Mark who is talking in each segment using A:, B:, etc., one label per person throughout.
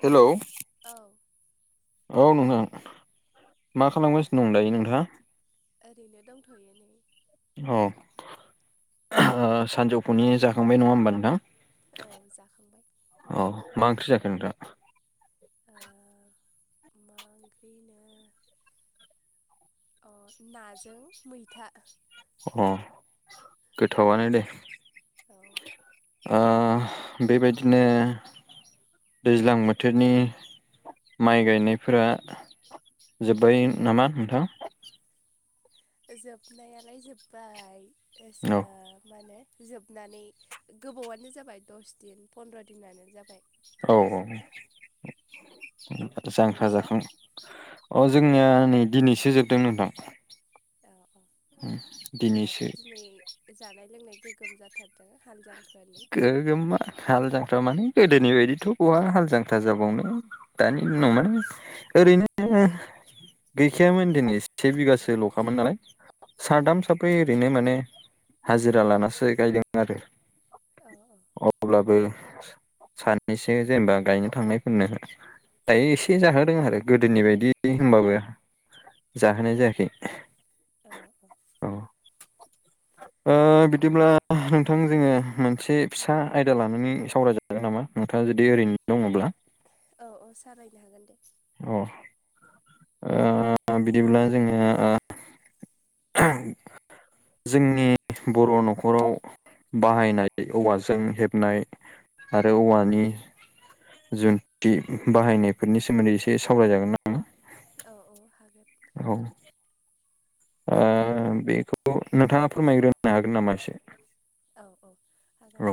A: हेल'
B: hello
A: औ।
B: औ नोंथां मा खालामगासिनो दं दायो नोंथाङा?
A: ओरैनो दंथ'यो नै।
B: औ सानजौफुनि जाखांबाय नङा होमबा नोंथां?
A: औ जाखांबाय।
B: औ मा ओंख्रि जाखो नोंथां?
A: ओ मा ओंख्रि होनो अ नाजों मैथा।
B: अ गोथावानो दे।
A: औ।
B: ओ बेबायदिनो दैज्लां बोथोरनि माय गायनायफोरा जोब्बाय नामा नोंथां?
A: जोबनायालाय जोब्बाय एसो
B: औ
A: मा होनो जोबनानै गोबावानो जाबाय दस दिन पन्द्र' दिनानो जाबाय।
B: औ औ औ
A: दिनैसिम
B: जांख्रा
A: नोंसा
B: जाखां अ जोंनिया नै दिनैसो जोबदों नोंथां।
A: औ औ होनबाथ'
B: दिनैसो
A: दिनै जानाय लोंनाय गोग्गोम जाथारदों हाल जांख्रानि
B: गोग्गोमा हाल जांख्रा माने गोदोनि बायदिथ' बहा हाल जांख्रा जाबावनो। दानि दिनाव माने ओरैनो गैखायामोन दिनै से बिगासो ल'खामोन नालाय
A: औ
B: साथाम साब्रै बेनो माने हाजिरा लानासो गायदों आरो।
A: औ अ।
B: अब्लाबो सानैसो जेनेबा गायनो थांनायफोरनो दायो एसे जाहोदों आरो गोदोनि बायदि होनबाबो जाहोनाय जायाखै।
A: अ अ।
B: औ ओ बिदिब्ला नोंथां जोङो मोनसे फिसा आयदा लानानै सावरायजागोन नामा? मा नोंथाङा जुदि ओरैनो दङब्ला
A: औ औ सावरायनो हागोन दे।
B: अ। ओ बिदिब्ला जोङो ओ जोंनि बर' न'खराव बाहायनाय औवाजों हेबनाय आरो औवानि जों थि बाहायनायफोरनि सोमोन्दै एसे सावरायजागोन नामा
A: औ औ हागोन
B: औ ओ बेफोरखौ नोंथाङा फोरमायग्रोनो हागोन नामा एसे
A: औ औ
B: औ
A: हागोन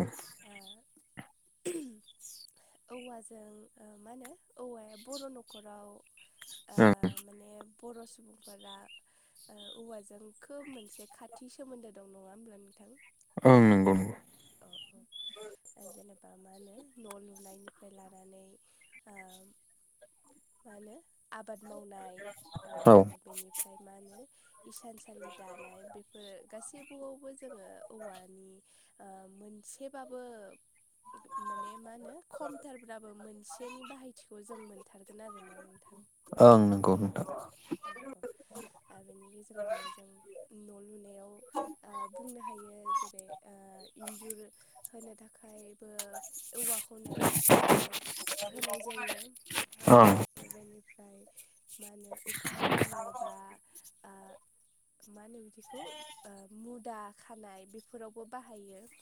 A: ओ औवाजों मा होनो औवाया बर' न'खराव
B: ओं
A: माने बर' सुबुंफोरा ओ औवाजों खोब मोनसे खाथि सोमोन्दो दं नङा होमब्ला नोंथां
B: ओं नंगौ
A: अ औ जेनेबा मा होनो न' लुनायनिफ्राय लानानै मा होनो आबाद मावनाय ओ
B: औ
A: बेनिफ्राय मा होनो इसानसालि दानाय बेफोरो गासैबोआवबो जोङो औवानि ओ मोनसेबाबो माने मा होनो खमथारबाबो मोनसे मोनसेनि बाहायथिखौ जों मोनथारगोन आरोना नोंथां
B: ओं नंगौ नोंथां
A: औ औ आरो बिनि गेजेरावनो जों न' लुनायाव बुंनो हायो जेरै इन्जुर होनो थाखायबो औवाखौनो होनाय जायो
B: ओं
A: बेनिफ्राय मा होनो उखुम खानो बा ओ मा होनो बिदिखौ मुदा खानाय बेफोरावबो बाहायो [unintelligible] [inaudible]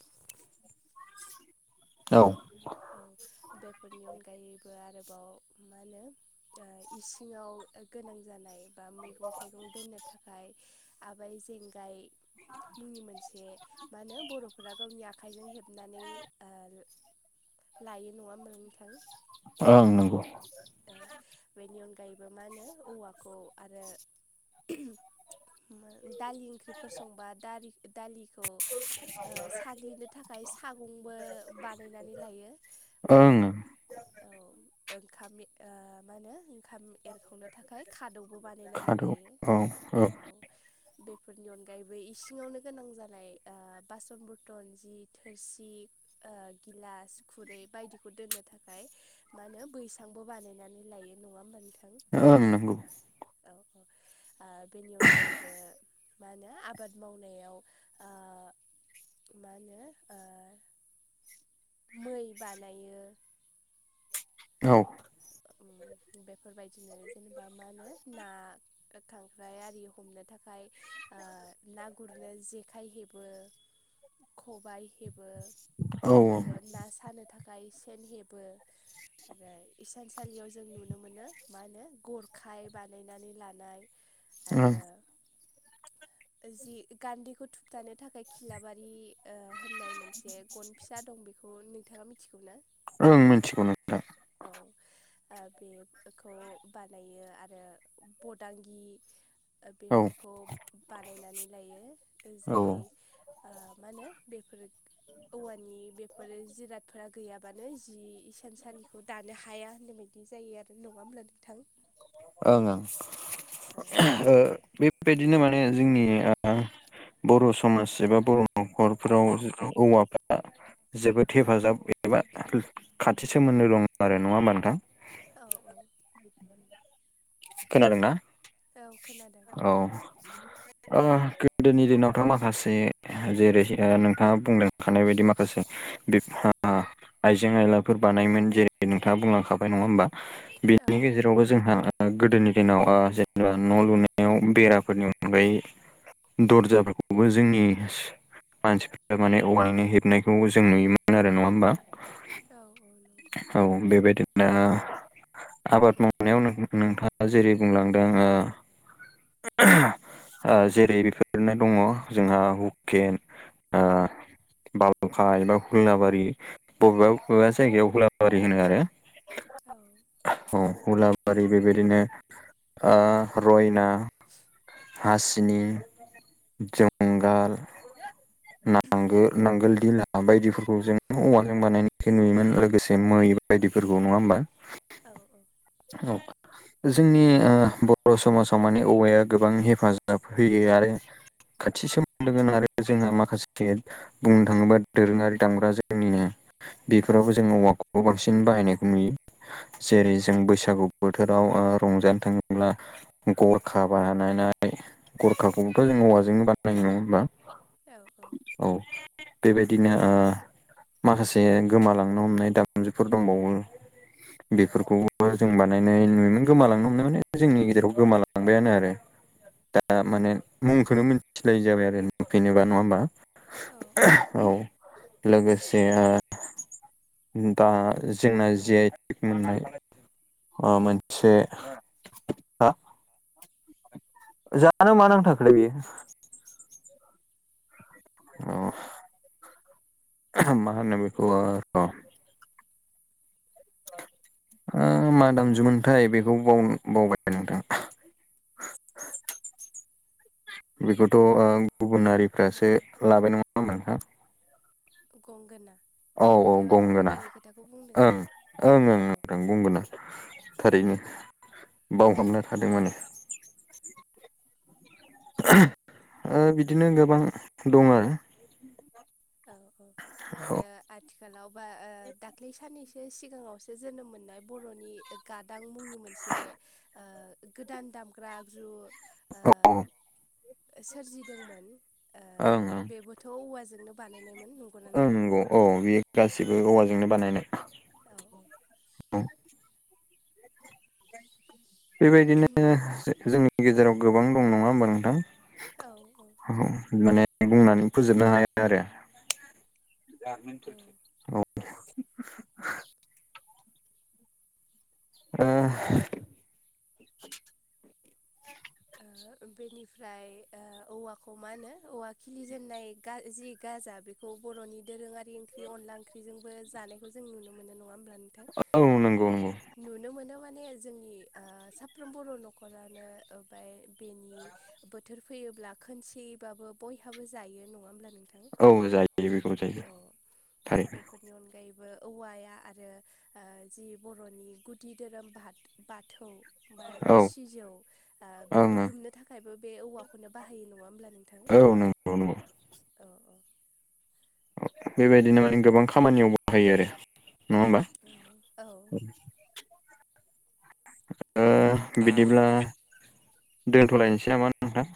B: औ
A: औ बेफोरनि अनगायैबो आरोबाव मा होनो ओ इसिङाव गोनां जानाय बा मैगं थाइगं दोननो थाखाय आबाइ जेंगाय मुंनि मोनसे मा होनो बर'फोरा गावनि आखाइजों हेबनानै ओ लायो नङा होमब्ला नोंथां
B: ओं नंगौ
A: औ बेनि अनगायैबो मा होनो औवाखौ आरो दालि ओंख्रिफोर संबा दारि दालि खौ साग्लिनो थाखाय सागंबो बानायनानै लायो आरो
B: ओं
A: औ ओंखाम मा होनो ओंखाम एरखावनो थाखाय खादौबो बानायनानै
B: खादौ
A: लायो
B: औ
A: औ बेफोरनि अनगायैबो इसिङावनो गोनां जानाय ओ बासन बरतन जि थोरसि ओ गिलास खुरै बायदिखौ दोन्नो थाखाय मा होनो बैसां बो बानायनानै लायो नङा होमबा नोंथां
B: ओं नंगौ
A: औ बेनि अनगायैबो मा होनो आबाद मावनायाव ओ मा होनो ओ मै बानायो
B: औ
A: ओम बेफोरबायदिनो जेनेबा मा होनो ना खांख्राइ आरि हमनो थाखाय ओ ना गुरनो जेखाइ हेबो खबाय हेबो
B: औ
A: आरो ना सानो थाखाय सेन हेबो आरो इसानसालियाव जों नुनो मोनो मा होनो गरखाय बानायनानै लानाय
B: ओं
A: आरो जि गान्दिखौ थुबथानो थाखाय खिलाबारि ओ होननाय मोनसे गन फिसा दं बेखौ नोंथाङा मिथिगौ ना?
B: ओं मोनथिगौ नोंथां
A: औ ओ बेखौ बानायो आरो बदांगि ओ
B: औ
A: बेफोरखौ बानायनानै लायो ओ जाय
B: ओं ओं
A: ओ मा होनो बेफोर औवानि बेफोर जिरादफोरा गैयाबानो जि इसान सालिखौ दानो हाया होननाय बायदि जायो आरो नङा होमब्ला नोंथां
B: ओं ओं ओ
A: औ
B: बे बेबायदिनो माने जोंनि ओ बर' समाज एबा बर' न'खरफोराव औवाफ्रा जोबोद हेफाजाब एबा खाथि सोमोन्दो दङ आरो नङा होमबा नोंथां
A: औ औ
B: खोनादों ना
A: औ खोना
B: औ ओ गोदोनि दिनावथ' माखासे जेरै ओ नोंथाङा बुंलांखानायबायदि माखासे [unintelligible] आइजें आयलाफोर बानायोमोन जेरै नोंथाङा बुंलांखाबाय नङा होमबा
A: औ
B: बेनि गेजेरावबो जोंहा गोदोनि दिनाव ओ जेनेबा न' लुनायाव बेराफोरनि अनगायै दर्जाफोरखौबो जोंनि मानसिफोरा माने औवानि हेबनायखौ जों नुयोमोन आरो नङा होमबा
A: औ औ नंगौ
B: औ बेबायदिनो आबाद मावनायाव नों-नोंथाङा जेरै बुंलांदों ओ ओ जेरै- बेफोरनो दङ जोंहा हुकेन ओ बावखा एबा हुलाबारि बबेबा बबेबा जायगायाव हुलाबारि होनो आरो
A: औ
B: औ हुलाबारि बेबायदिनो ओ रयना हासिनि जंगाल नांगोल नांगोल धिला बायदिफोरखौ जों औवाजों बानायनाय [unintelligible] नुयोमोन लोगोसे मै बायदिफोरखौ नङा होनबा
A: औ
B: औ जोंनि ओ बर' समाजाव माने औवाया गोबां हेफाजाब होयो आरो खाथि सोमोन्दो गोनां आरो जोंहा माखासे बुंनो थाङोबा दोरोङारि दामग्रा जोंनिनो बेफोरावबो जोङो औवाफोरखौ बांसिन बाहायनायखौ नुयो
A: औ
B: जेरै- जों बैसागु बोथोराव ओ रंजानो थाङोब्ला गरखाब बानायनाय गरखाखौबोथ' जों औवाजोंनो बानायो नङा होमबा
A: औ औ
B: औ बेबायदिनो ओ माखासे गोमालांनो हमनाय दामजुफोर दंबावो बेफोरखौबो जों बानायनाय नुयोमोन गोमालांनो हमनाय माने जोंनि गेजेराव गोमालांबायानो आरो दा माने मुंखौनो मिथिलायै जाबाय आरो नुफिनोबा नङा होमबा
A: औ
B: औ लोगोसे ओ दा जोंना जि आइ टेग मोननाय ओ मोनसे हा जानो मा नांथाखोथाय बियो अ माहोनो बेखौ ओ ओ मा दामजुमोनथाय बेखौ बाव बावबाय आं नोंथां [unintelligible] बेखौथ' ओम
A: औ
B: गुबुन हारिफ्रासो लाबाय नङा होमबा नोंथां
A: गंगोना
B: औ औ
A: नोंथाङा
B: गंगोना
A: गंगोनानि खोथाखौ बुंदों ना
B: ओं ओं ओं गंगोना थारैनो
A: औ
B: बावहाबना थादों माने ओ बिदिनो गोबां दं आरो
A: औ औ आरो आथिखालाव बा ओ दाख्लै साननैसो सिगाङावसो जोनोम मोननाय बर'नि गादां मुंनि मोनसे ओ गोदान दामग्रा आगजु ओह सोरजिदोंमोन ओ
B: औ
A: बेबोथ' औवाजोंनो बानायनायमोन नंगौ
B: ओं नंगौ औ बे गासिबो औवाजोंनो बानायनाय
A: औ औ
B: औ बेबायदिनो जोंनि गेजेराव गोबां दं नङा होमबा नोंथां
A: औ औ
B: औ माने बुंनानै फोजोबनो हाया आरो
A: औ औ
B: औ ओ ओह
A: ओ बेनिफ्राय ओ औवाखौ मा होनो औवा खिलिजेननाय गा जि गाजा बे औवाखौ बर'नि दोरोङारि ओंख्रि अनला ओंख्रिजोंबो जानायखौ जों नुनो मोनो नङा होमब्ला नोंथां
B: औ नंगौ नंगौ
A: नुनो मोनो माने जोंनि ओ साफ्रोम बर' न'खरानो ओमफ्राय बेनि बोथोर फैयोब्ला खोनसेयै बाबो बयहाबो जायो नङा होमब्ला नोंथां
B: औ जायो बेखौबो जायो
A: औ
B: थारैनो
A: बेफोरनि अनगायैबो औवाया आरो ओ जि बर'नि गुदि धोरोम बाद बाथौ बा
B: औ ओं
A: सिजौ
B: ओं
A: बेखौ दुमनो थाखायबो बे औवाखौनो बाहायो नङा होमब्ला नोंथां
B: औ नंगौ नंगौ
A: औ औ
B: बेबायदिनो माने गोबां खामानियाव बाहायो आरो नङा होमबा
A: औ औ
B: ओ बिदिब्ला दोनथ'लायनोसै नामा नोंथां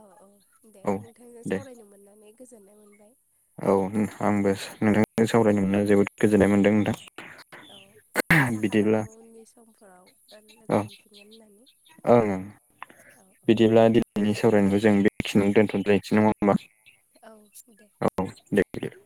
A: औ औ दे
B: औ
A: नोंथांजों
B: दे
A: सावरायनो मोननानै गोजोननाय मोनबाय
B: औ नोंथां आंबो नोंथांजों सावरायनो मोन्ना जोबोद गोजोननाय मोन्दों नोंथां
A: औ आसा
B: बिदिब्ला
A: खालामो उननि समफोराव लोगो
B: औ
A: मोनफिनगोन होननानै
B: ओं।
A: औ।
B: बिदिब्ला दिनैनि सावरायनायखौ जों बेखिनिनो दोनथ' लायसै नङा होमबा
A: औ औ दे
B: औ। औ दे [unintelligible]